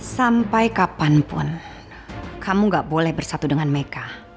sampai kapanpun kamu gak boleh bersatu dengan mereka